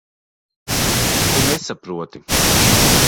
Tu nesaproti.